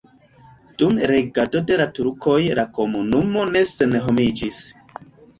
Dum regado de la turkoj la komunumo ne senhomiĝis.